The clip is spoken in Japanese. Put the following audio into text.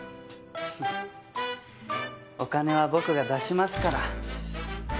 お金は僕が出しますから。